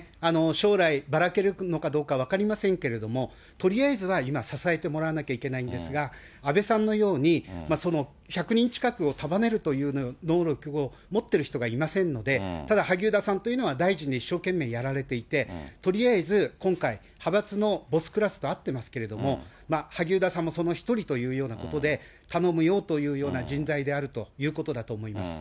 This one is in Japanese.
将来、ばらけるのかどうか分かりませんけれども、とりあえずは今支えてもらわないといけないんですが、安倍さんのように、１００人近くを束ねるという能力を持ってる人がいませんので、ただ萩生田さんというのは大臣を一生懸命やられていて、とりあえず、今回、派閥のボスクラスと会ってますけれども、萩生田さんもその一人というようなことで、頼むよというような人材であるということだと思います。